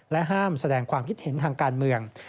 ห้ามแสดงความคิดเห็นทางการเมือง